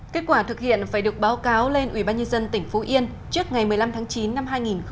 kết quả thực hiện phải được báo cáo lên ubnd tỉnh phú yên trước ngày một mươi năm tháng chín năm hai nghìn một mươi chín